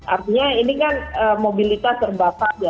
artinya ini kan mobilitas terbatas ya